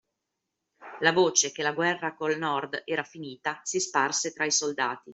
La voce che la guerra col Nord era finita si sparse tra i soldati